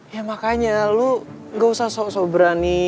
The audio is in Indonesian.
ya makanya lo gak usah sok sok berani